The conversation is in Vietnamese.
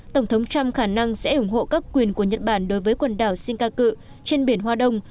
tổng thống trump khả năng sẽ ủng hộ các quyền của nhật bản đối với quần đảo sinka trên biển hoa đông